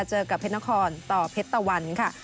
เจอกับเพชรนครต่อเพชรตะวันค่ะ